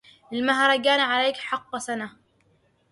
للمهرجان عليك حق سنه